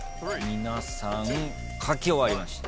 皆さん書き終わりました。